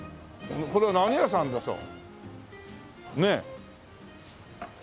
これは何屋さんでしょう？ねえ。